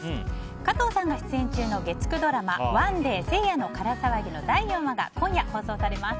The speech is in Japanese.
加藤さんが出演中の月９ドラマ「ＯＮＥＤＡＹ聖夜のから騒ぎ」の第４話が今夜放送されます。